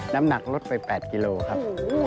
น้ำหนักลดไป๘กิโลครับ